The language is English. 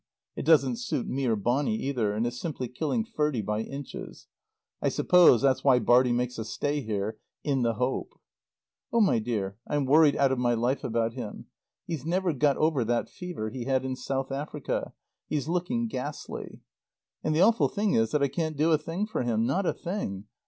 It doesn't suit me or Bonny either, and it's simply killing Ferdie by inches. I suppose that's why Bartie makes us stay here in the hope Oh! my dear, I'm worried out of my life about him. He's never got over that fever he had in South Africa. He's looking ghastly. And the awful thing is that I can't do a thing for him. Not a thing.